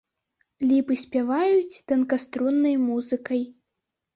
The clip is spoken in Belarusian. Ліпы спяваюць танкаструннай музыкай.